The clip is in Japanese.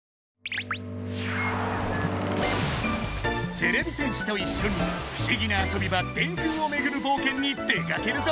てれび戦士といっしょに不思議な遊び場電空をめぐる冒険に出かけるぞ！